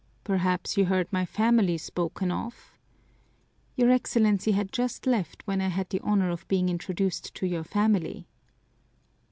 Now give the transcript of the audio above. "Perhaps you heard my family spoken of?" "Your Excellency had just left when I had the honor of being introduced to your family."